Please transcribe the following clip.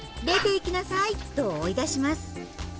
「出ていきなさい」と追い出します。